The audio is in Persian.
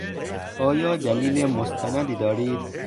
آیا دلیل مستندی دارید؟